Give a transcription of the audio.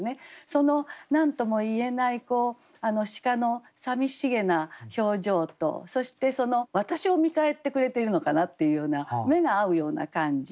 その何とも言えない鹿のさみしげな表情とそして私を見返ってくれているのかなっていうような目が合うような感じ。